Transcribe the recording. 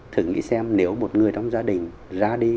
thử nghĩ xem nếu một người trong gia đình ra đi